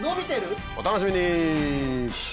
お楽しみに！